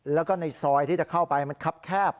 แล้วก็ในซอยที่จะเข้าไปมันครับแคบ